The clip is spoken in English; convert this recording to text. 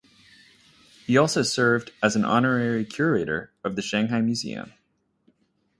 He also served as an honorary curator of the Shanghai Museum.